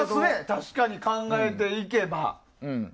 確かに考えていけば。